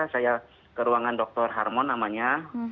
saya ke ruangan dr harmon namanya